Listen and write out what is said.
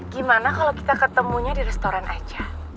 gimana kalau kita ketemunya di restoran aja